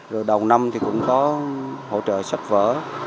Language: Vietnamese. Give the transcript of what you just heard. rồi đầu năm thì cũng có hỗ trợ sách vở